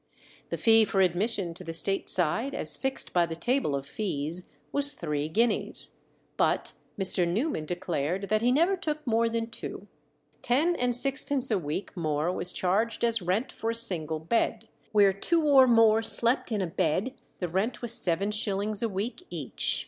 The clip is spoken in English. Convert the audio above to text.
The fee for admission to the state side, as fixed by the table of fees, was three guineas, but Mr. Newman declared that he never took more than two. Ten and sixpence a week more was charged as rent for a single bed; where two or more slept in a bed the rent was seven shillings a week each.